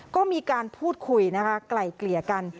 ก็มีการพูดคุยนะคะไกล่เกลี่ยกัน